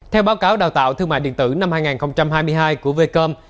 theo báo cáo đào tạo thương mại điện tử năm hai nghìn hai mươi hai của vecom